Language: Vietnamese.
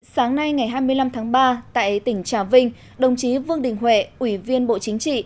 sáng nay ngày hai mươi năm tháng ba tại tỉnh trà vinh đồng chí vương đình huệ ủy viên bộ chính trị